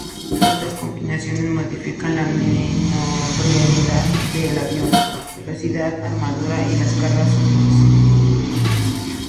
Estas combinaciones modifican la maniobrabilidad del avión, velocidad, armadura, y las cargas útiles.